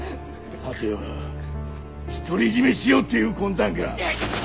さては独り占めしようっていう魂胆か？